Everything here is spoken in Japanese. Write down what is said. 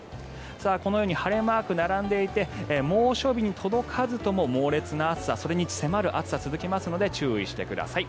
このように晴れマーク並んでいて猛暑日に届かずとも猛烈な暑さそれに迫る暑さが続きますので注意してください。